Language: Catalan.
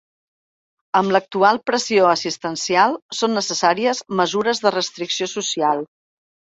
Amb l’actual pressió assistencial, són necessàries mesures de restricció social.